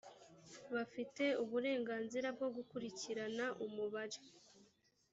bafite uburenganzira bwo gukurikirana umubare